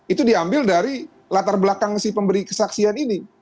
itu diambil dari latar belakang si pemberi kesaksian ini